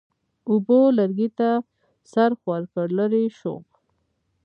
اوبو لرګي ته څرخ ورکړ، لرې شوم.